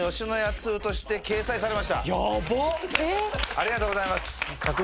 ありがとうございます。